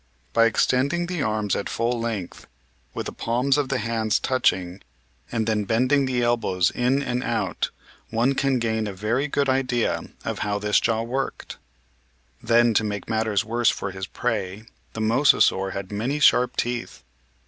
By extending the arms at full length with the palms of the hands touching and then bending the elbows in and out one can 74 MIGHTY ANIMALS ,gain a very good idea of how this jaw worked. Then, to make matters worse for his prey, the Mosasaur had many sharp teeth.